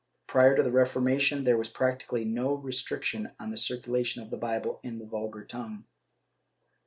Prior to the Reformation there was practically no restriction on the circulation of the Bible in the vulgar tongue.